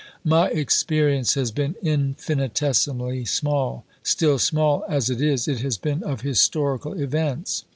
My experience has been infinitesimally small. Still, small as it is, it has been of historical events.